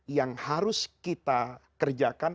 yang harus kita kerjakan